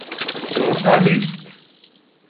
ژورنالیست